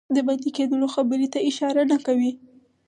د بندي کېدلو خبري ته اشاره نه کوي.